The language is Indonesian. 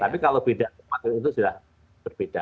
tapi kalau beda makanya itu sudah berhubungan